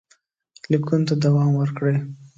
لیکونو ته دوام ورکړئ.